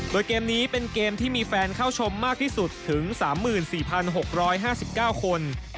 โดยเกมนี้เป็นเกมที่มีแฟนเข้าชมมากที่สุดถึง๓๔๖๕๙คน